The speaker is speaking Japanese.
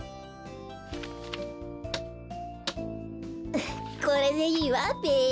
ウフッこれでいいわべ。